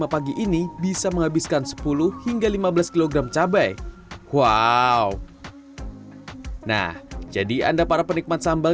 pagi ini bisa menghabiskan sepuluh hingga lima belas kg cabai wow nah jadi anda para penikmat sambal